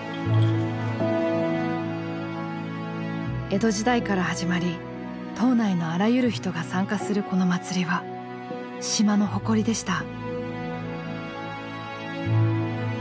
江戸時代から始まり島内のあらゆる人が参加するこの祭りは島の誇りでした。